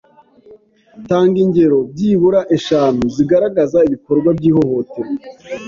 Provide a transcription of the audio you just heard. Tanga ingero byibura eshanu zigaragaza ibikorwa y’ihohoterwa